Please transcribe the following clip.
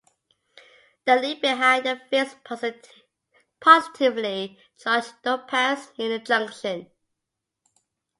They leave behind the fixed positively charged dopants near the junction.